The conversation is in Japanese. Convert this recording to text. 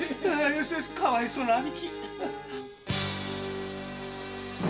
かわいそうな兄貴。